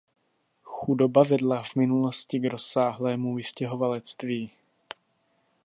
Chudoba vedla v minulosti k rozsáhlému vystěhovalectví.